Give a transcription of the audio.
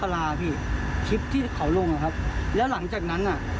แล้วหลังจากนั้นอ่ะ